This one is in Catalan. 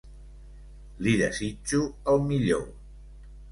Li desitjo el millor.